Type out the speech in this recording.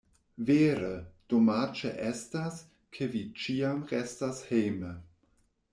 Vere, domaĝe estas, ke vi ĉiam restas hejme.